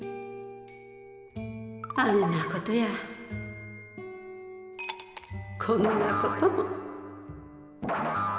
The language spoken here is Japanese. あんなことやこんなことも。